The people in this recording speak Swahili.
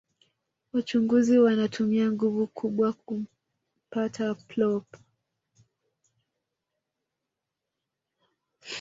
wachunguzi wanatumia nguvu kubwa kumpta blob